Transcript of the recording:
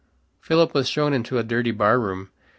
Philip was shown into a dirty bar room.